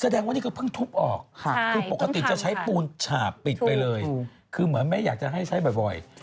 แสดงว่านี่คือเพิ่งทุบออกคือปกติจะใช้ปูนฉาบปิดไปเลยคือเหมือนไม่อยากจะให้ใช้บ่อย